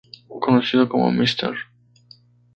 Conocido como Mr.